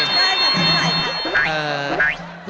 ได้ขอเท่าไหร่ครับ